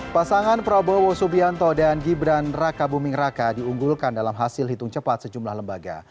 pasangan prabowo subianto dan gibran raka buming raka diunggulkan dalam hasil hitung cepat sejumlah lembaga